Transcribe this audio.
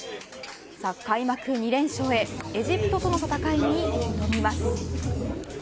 開幕２連勝へエジプトとの戦いに挑みます。